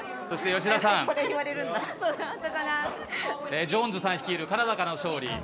そして、吉田さんジョーンズさん率いるカナダからの勝利。